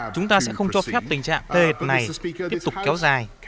chúng ta sẽ không cho phép tình trạng t này tiếp tục kéo dài